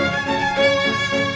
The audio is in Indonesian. aku mau denger